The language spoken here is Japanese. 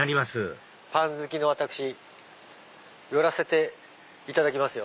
パン好きの私寄らせていただきますよ。